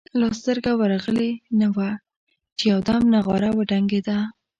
لا سترګه ورغلې نه وه چې یو دم نغاره وډنګېده.